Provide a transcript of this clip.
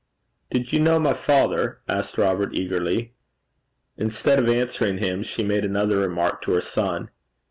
'Did you know my father?' asked Robert, eagerly. Instead of answering him she made another remark to her son.